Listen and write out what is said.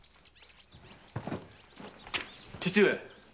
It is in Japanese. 父上。